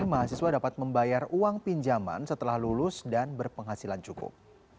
mahasiswa dapat membayar uang pinjaman setelah lulus dan berpenghasilan cukup